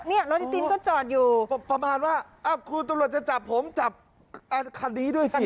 เนี่ยรถตินก็จอดอยู่ประมาณว่าอ้าวคุณตำรวจจะจับผมจับคันนี้ด้วยสิ